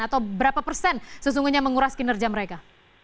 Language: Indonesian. atau berapa persen sesungguhnya menguras kinerja mereka